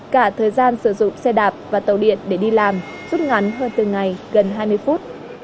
cả thời gian sử dụng xe đạp và tàu điện để đi làm rút ngắn hơn từng ngày gần hai mươi phút